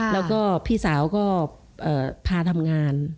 แล้วก็พี่สาวก็พาทำงาน